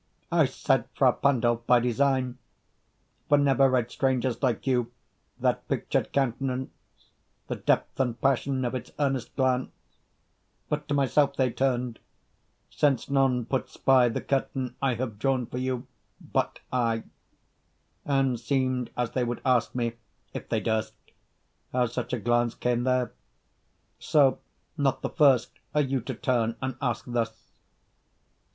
I said "Fra Pandolf" by design, for never read Strangers like you that pictured countenance, The depth and passion of its earnest glance, But to myself they turned (since none puts by the curtain I have drawn for you, but I) 10 And seemed as they would ask me, if they durst, How such a glance came there; so, not the first Are you to turn and ask thus.